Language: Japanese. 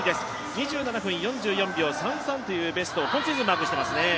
２７分４４秒３３というベストを今シーズン、マークしていますね。